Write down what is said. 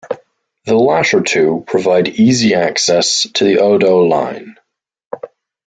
The latter two provide easy access to the Oedo line.